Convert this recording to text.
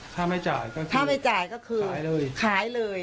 ถ้าไม่จ่ายก็คือขายเลย